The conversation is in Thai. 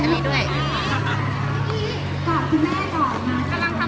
อันนี้ด้วยอันนี้ด้วย